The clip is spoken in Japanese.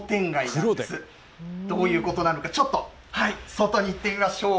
どういうことなのか、ちょっと外に行ってみましょう。